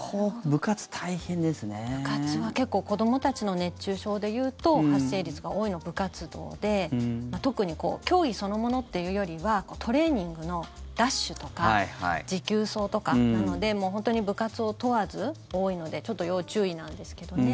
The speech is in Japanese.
部活は結構子どもたちの熱中症でいうと発生率が多いのは部活動で特に競技そのものっていうよりはトレーニングのダッシュとか持久走とかなのでもう本当に部活を問わず多いのでちょっと要注意なんですけどね。